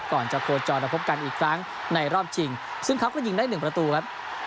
ก่อนจะโคจรมาพบกันอีกครั้งในรอบชิงซึ่งเขาก็ยิงได้๑ประตูครับ